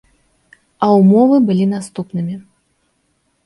А ўмовы былі наступнымі.